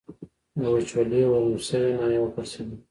د وچولې ورم شوې ناحیه و پړسېدل.